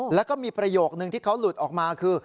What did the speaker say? แล้วก็มีประโยคนึงที่เขาหลุดออกมาคือ